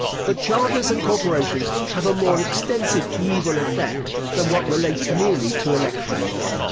But charters and corporations have a more extensive evil effect than what relates merely to elections.